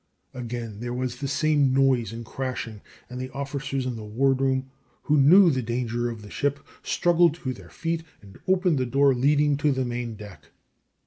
Again there was the same noise and crashing, and the officers in the ward room, who knew the danger of the ship, struggled to their feet and opened the door leading to the main deck.